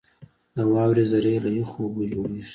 • د واورې ذرې له یخو اوبو جوړېږي.